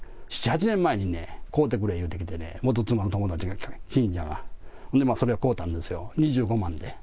７、８年前にね、買うてくれというてきて、元妻の友達が、信者が、それを買うたんですよ、２５万で。